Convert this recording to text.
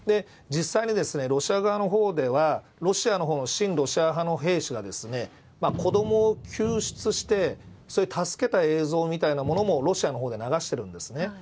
実際に、ロシア側のほうではロシアのほうの親ロシア派の兵士が子供を救出して助けた映像みたいなものもロシアのほうでは流しているんですね。